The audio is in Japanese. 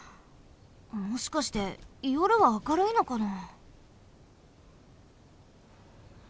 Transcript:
もしかしてよるは明るいのかな？